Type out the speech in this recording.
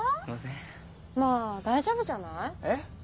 まぁ大丈夫じゃない？えっ？